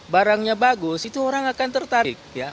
barangnya bagus itu orang akan tertarik